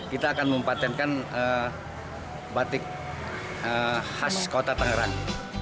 kita akan mempatenkan batik khas kota tangerang